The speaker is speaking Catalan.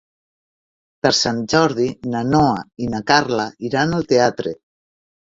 Per Sant Jordi na Noa i na Carla iran al teatre.